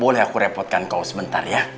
boleh aku repotkan kau sebentar ya